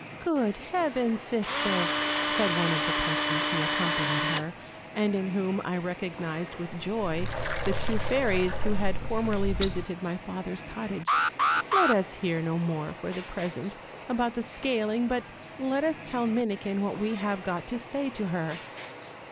'Good heavens, sister!' said one of the persons who accompanied her, and in whom I recognized with joy the two fairies who had formerly visited my father's cottage, 'let us hear no more for the present about the scaling, but let us tell Minikin what we have got to say to her.'